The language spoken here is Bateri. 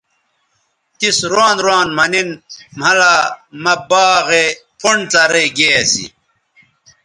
تس روان روان مہ نِن مھلا مہ باغے پھنڈ څرئ گے اسی